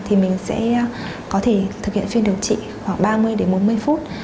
thì mình sẽ có thể thực hiện phiên điều trị khoảng ba mươi đến bốn mươi phút